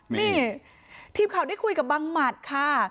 นี่ทีมข่าวได้คุยกับบังหมัดค่ะ